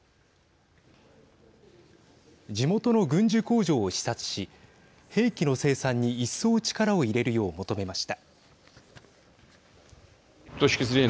地元の軍需工場を視察し兵器の生産に一層力を入れるよう求めました。